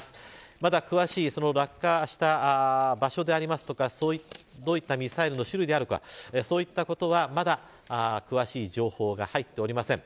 まだ、詳しい落下した場所でありますとかどういったミサイルの種類であるか、そういったことはまだ詳しい情報が入っておりません。